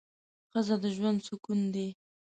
ښځه د ژوند سکون دی